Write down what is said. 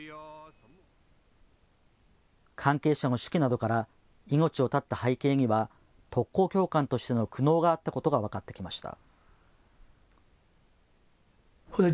関係者の手記などから命を絶った背景には特攻教官としての苦悩があったことが分かってきました。